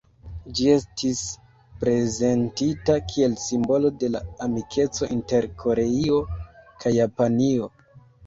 Ĝi estis prezentita kiel "simbolo de la amikeco inter Koreio kaj Japanio".